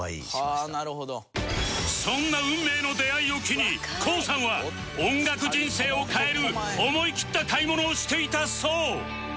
そんな運命の出会いを機に ＫＯＯ さんは音楽人生を変える思い切った買い物をしていたそう